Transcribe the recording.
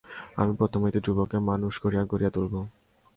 আমি প্রথম হইতে ধ্রুবকে মানুষ করিয়া গড়িয়া তুলিব।